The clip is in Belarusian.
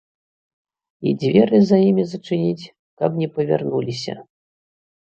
І дзверы за імі зачыніць, каб не павярнуліся!